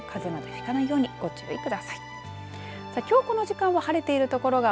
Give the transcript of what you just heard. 風邪など引かないようにご注意ください。